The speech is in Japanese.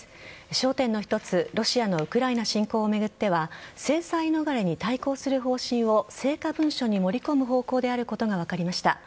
焦点の一つロシアのウクライナ侵攻を巡っては制裁逃れに対抗する方針を成果文書に盛り込む方向であることが分かりました。